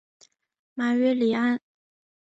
马约里安。